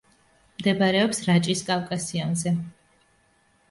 მდებარეობს რაჭის კავკასიონზე.